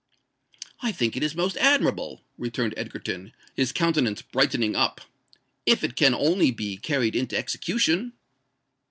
"I think it is most admirable," returned Egerton, his countenance brightening up—"if it can only be carried into execution."